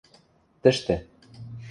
– Тӹштӹ.